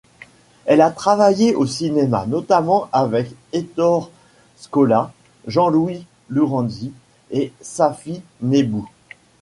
Elle a travaillé au cinéma notamment avec Ettore Scola, Jean-Louis Lorenzi et Safy Nebbou.